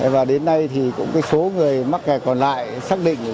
và đến nay thì cũng số người mắc kẹt còn lại xác định